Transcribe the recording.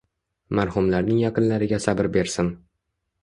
Marhumlarning yaqinlariga sabr bersin!